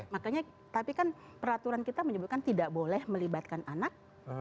makanya tapi kan peraturan kita menyebutkan tidak boleh melibatkan anak